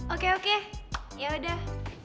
oke oke yaudah